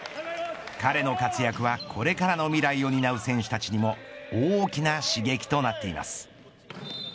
彼の活躍はこれからの未来を担う選手たちにも大きな刺激となっています。